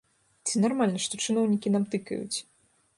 Ці нармальна, што чыноўнікі нам тыкаюць?